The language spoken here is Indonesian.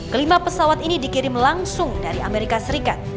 kelima pesawat ini dikirim langsung dari amerika serikat